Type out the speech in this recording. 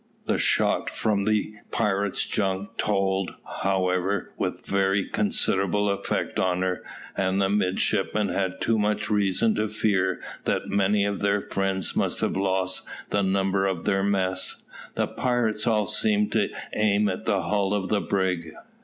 The shot from the pirate's junks told, however, with very considerable effect on her, and the midshipmen had too much reason to fear that many of their friends must have lost the number of their mess. The pirates all seemed to aim at the hull of the brig.